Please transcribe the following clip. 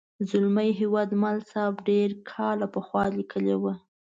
زلمي هیوادمل صاحب ډېر کاله پخوا لیکلې وه.